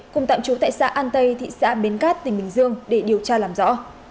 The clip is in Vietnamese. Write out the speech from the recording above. cùng tạm trú tại xã an tây thị xã bến cát tỉnh bình dương để điều tra làm rõ